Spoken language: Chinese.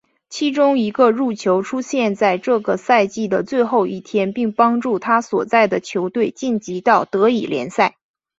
其中一个入球出现在这个赛季的最后一天并帮助他所在的球队晋级到德乙联赛。